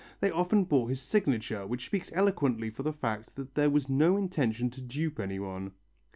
They often bore his signature, which speaks eloquently for the fact that there was no intention to dupe anyone.